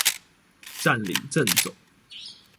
佔領政總